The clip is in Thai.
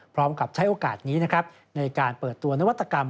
พร้อมกับใช้โอกาสนี้นะครับในการเปิดตัวนวัตกรรม